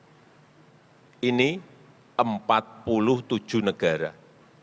dan yang lain masih mengantri di depan pintunya imf